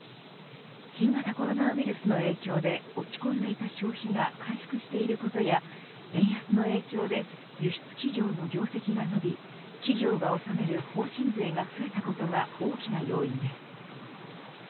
新型コロナウイルスの影響で落ち込んでいた消費が回復していることや円安の影響で輸出企業の業績が伸び企業が納める法人税が増えたことが大きな要因です。